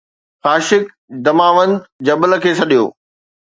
خاشق Damavand جبل کي سڏيو